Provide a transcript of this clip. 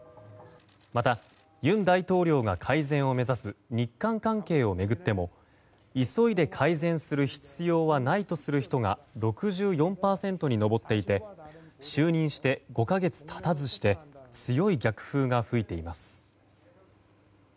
また、尹大統領が改善を目指す日韓関係を巡っても急いで改善する必要はないとする人が６４％に上っていて就任して５か月経たずして強い逆風が吹いています。